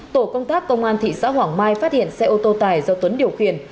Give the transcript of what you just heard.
tổ công tác công an thị xã hoàng mai phát hiện xe ô tô tài do tuấn điều khiển